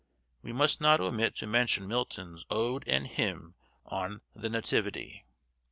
We must not omit to mention Milton's 'Ode and Hymn on the Nativity.